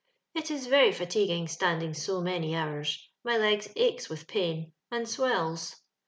It is very fatiguing standing so manr hours; my legs aches with pain, and swells.